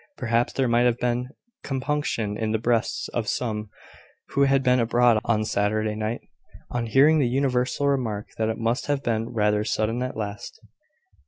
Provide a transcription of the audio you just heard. Perhaps there might have been compunction in the breasts of some who had been abroad on Saturday night, on hearing the universal remark that it must have been rather sudden at last.